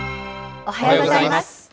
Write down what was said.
おはようございます。